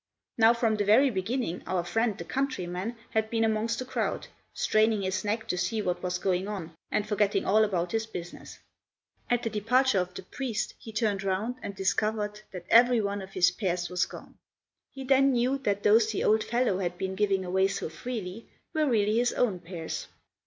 Now, from the very beginning, our friend the countryman had been amongst the crowd, straining his neck to see what was going on, and forgetting all about his business. At the departure of the priest he turned round and discovered that every one of his pears was gone. He then knew that those the old fellow had been giving away so freely were really his own pears.